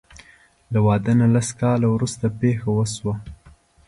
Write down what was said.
له واده نه لس کاله وروسته پېښه وشوه.